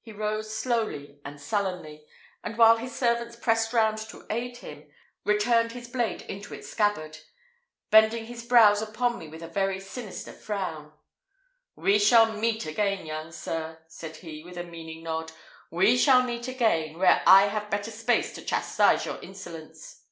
He rose slowly and sullenly; and while his servants pressed round to aid him, returned his blade into its scabbard, bending his brows upon me with a very sinister frown: "We shall meet again, young sir," said he, with a meaning nod; "we shall meet again, where I may have better space to chastise your insolence."